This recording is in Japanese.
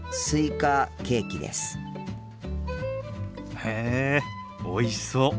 へえおいしそう。